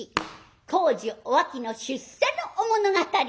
孝女お秋の出世のお物語。